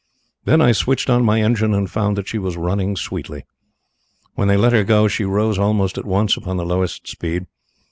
Then I switched on my engine and found that she was running sweetly. When they let her go she rose almost at once upon the lowest speed.